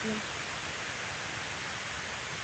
زه د نورو بریاوو ته خوشحالیږم.